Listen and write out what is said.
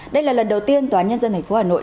đây là lần đầu tiên tòa án nhân dân tp hà nội